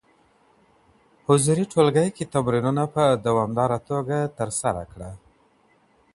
حضوري ټولګي کي تمرینونه په دوامداره توګه ترسره کړه.